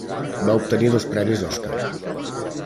Va obtenir dos premis Oscar.